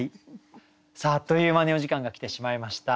あっという間にお時間が来てしまいました。